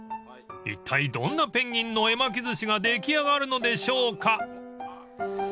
［いったいどんなペンギンの絵巻き寿司が出来上がるのでしょうか］